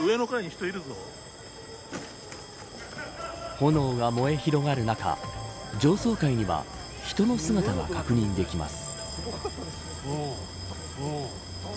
炎が燃え広がる中上層階には人の姿が確認できます。